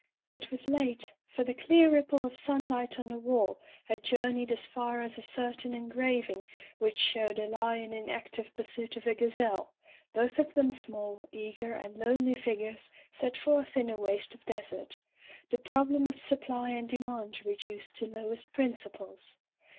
It was late, for the clear ripple of sunlight on the wall had journeyed as far as a certain engraving which showed a lion in ac tive pursuit of a gazelle, both of them small, eager, and lonely figures set forth in a waste of desert — the problem of supply and de mand reduced to lowest principles.